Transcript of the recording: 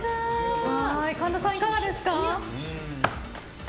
神田さん、いかがですか？